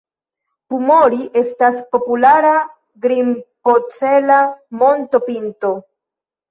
Pumori estas populara grimpocela montopinto.